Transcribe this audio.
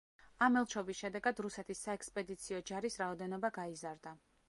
ამ ელჩობის შედეგად რუსეთის საექსპედიციო ჯარის რაოდენობა გაიზარდა.